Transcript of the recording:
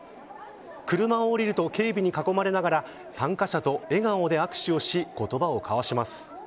車を降りると警備に囲まれながら参加者と笑顔で握手をし言葉を交わします。